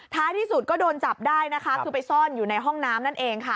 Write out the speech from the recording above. ท้ายที่สุดก็โดนจับได้นะคะคือไปซ่อนอยู่ในห้องน้ำนั่นเองค่ะ